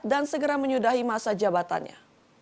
dan segera menyudahi masa jabatannya